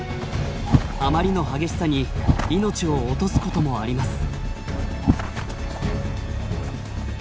あまりの激しさに命を落とすこともあります。